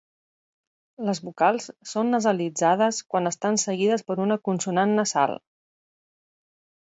Les vocals són nasalitzades quan estan seguides per una consonant nasal.